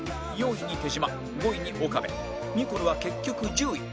４位に手島５位に岡部ニコルは結局１０位